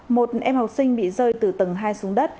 một em học sinh bị rơi từ tầng hai xuống đất